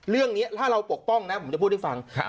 เรื่องนี้ถ้าเราปกป้องนะผมจะพูดให้ฟัง